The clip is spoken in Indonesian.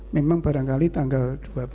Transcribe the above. memang barangkali tanggal dua puluh